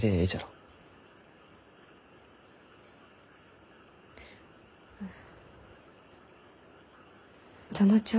うん。